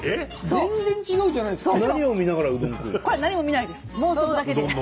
全然違うじゃないですか。